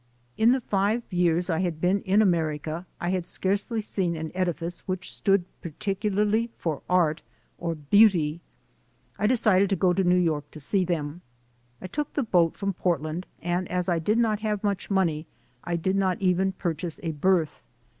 In the five years I had been in America, I had scarcely seen an edifice which 176 THE SOUL OF AN IMMIGRANT stood particularly for Art or Beauty. I decided to go to New York to see them. I took the boat from Portland and as I did not have much money, I did not even purchase a berth.